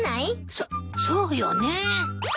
そっそうよね。